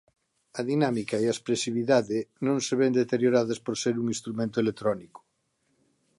A dinámica e a expresividade non se ven deterioradas por ser un instrumento electrónico.